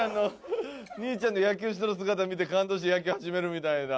兄ちゃんの野球しとる姿見て感動して野球始めるみたいな。